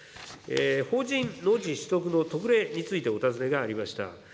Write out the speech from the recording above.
法人農地取得の特例についてお尋ねがありました。